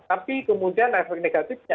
tapi kemudian efek negatifnya